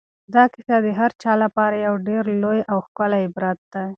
دا کیسه د هر چا لپاره یو ډېر لوی او ښکلی عبرت دی.